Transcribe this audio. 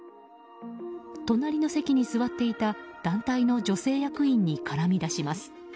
隣の席に座っていた団体の女性役員に絡みだします。